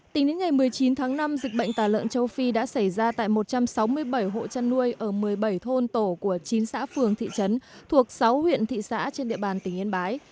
tính đến ngày một mươi chín tháng năm dịch bệnh tà lợn châu phi đã xảy ra tại một trăm sáu mươi bảy hộ chăn nuôi ở một mươi bảy thôn tổ của chín xã phường thị trấn thuộc sáu huyện thị xã trên địa bàn tỉnh yên bái